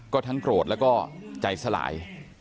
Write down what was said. ก็ทั้งโกรธแล้วก็ใจสลาย